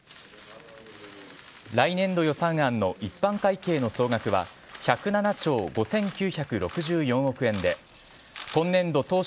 来年度予算案の一般会計の総額は１０７兆５９６４億円で今年度当初